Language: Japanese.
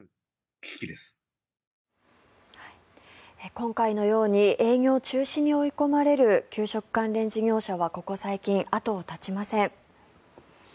今回のように営業中止に追い込まれる給食関連事業者はここ最近、後を絶ちません。